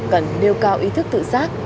cần nêu cao ý thức tự xác